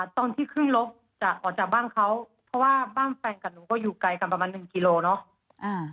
ตอนที่ขึ้นรถจะออกจากบ้านเขาเพราะว่าบ้านแฟนกับหนูก็อยู่ไกลกันประมาณหนึ่งกิโลเนาะ